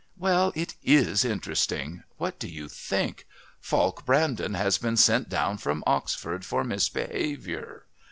"Well, it is interesting. What do you think? Falk Brandon has been sent down from Oxford for misbehaviour."